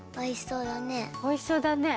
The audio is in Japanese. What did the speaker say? おいしそうだね。